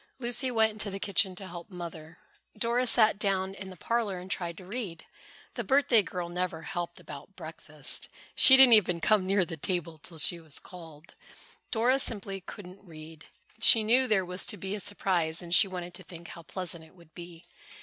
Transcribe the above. Lucy went into the kitchen to help Mother. Dora sat down in the parlor and tried to read. The birthday girl never helped about breakfast. She didn't even come near the table till she was called. Dora simply couldn't read. She knew there was to be a surprise and she wanted to think how pleasant it would be.